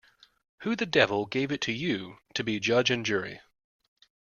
Who the devil gave it to you to be judge and jury.